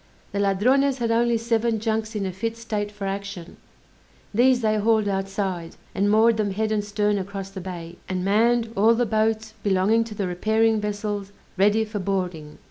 The Ladrones had only seven junks in a fit state for action; these they hauled outside, and moored them head and stern across the bay; and manned all the boats belonging to the repairing vessels ready for boarding.